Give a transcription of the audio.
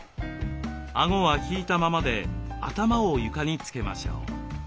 あごは引いたままで頭を床につけましょう。